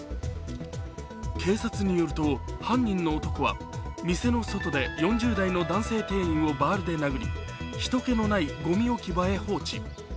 警察によると、犯人の男は店の外で４０代の男性店員をバールで殴り人けのないごみ置き場へ放置。